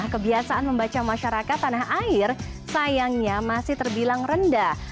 kebiasaan membaca masyarakat tanah air sayangnya masih terbilang rendah